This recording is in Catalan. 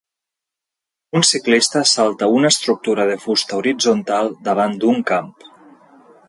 Un ciclista salta una estructura de fusta horitzontal davant d'un camp.